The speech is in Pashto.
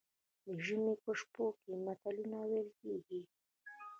د ژمي په شپو کې متلونه ویل کیږي.